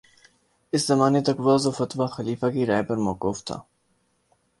اس زمانے تک وعظ اور فتویٰ خلیفہ کی رائے پر موقوف تھا